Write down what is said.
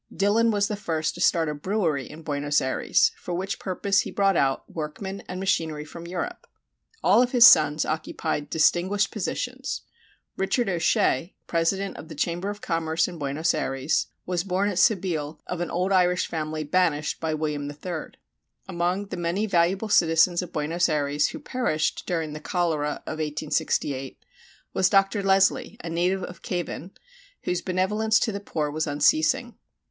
Dillon was the first to start a brewery in Buenos Ayres, for which purpose he brought out workmen and machinery from Europe. All of his sons occupied distinguished positions. Richard O'Shee, president of the Chamber of Commerce in Buenos Ayres, was born at Seville of an old Irish family banished by William III. Among the many valuable citizens of Buenos Ayres who perished during the cholera of 1868 was Dr. Leslie, a native of Cavan, whose benevolence to the poor was unceasing.